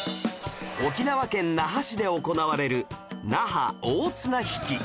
沖縄県那覇市で行われる那覇大綱挽